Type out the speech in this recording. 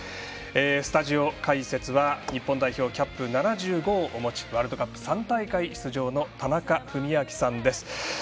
スタジオ解説は日本代表キャップ７５をお持ちワールドカップ３大会出場の田中史朗さんです。